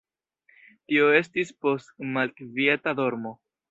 Tio estis post malkvieta dormo.